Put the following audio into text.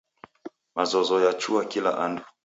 Mazozo yachua kila andu.